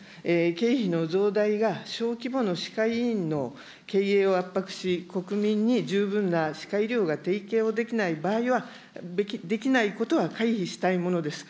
経費の増大が小規模の歯科医院の経営を圧迫し、国民に十分な歯科医療が提供できない場合は、できないことは回避したいものです。